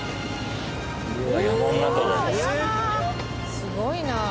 すごいな。